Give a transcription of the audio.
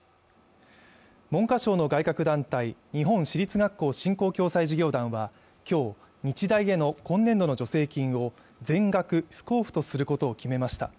文科省の外郭団体、日本私立学校振興・共済事業団は今日、日大への今年度の助成金を全額不交付とすることを決めました。